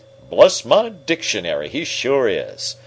"Bless my dictionary, he sure is!"